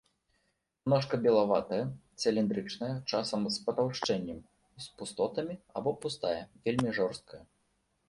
Ножка белаватая, цыліндрычная, часам з патаўшчэннем, з пустотамі або пустая, вельмі жорсткая.